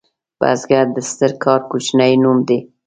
بزګر د ستر کار کوچنی نوم دی